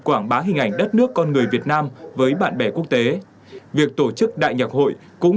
quảng bá hình ảnh đất nước con người việt nam với bạn bè quốc tế việc tổ chức đại nhạc hội cũng